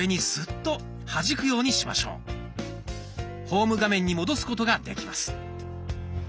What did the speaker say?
ホーム画面に戻すことができます。